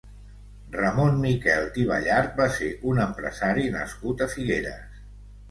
Ramon Miquel i Ballart va ser un empresari nascut a Figueres.